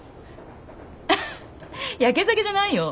アハハやけ酒じゃないよ